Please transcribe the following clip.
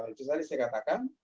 itu tadi saya katakan